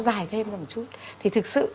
dài thêm một chút thì thực sự